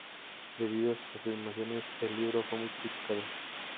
Debido a estas afirmaciones, el libro fue muy criticado.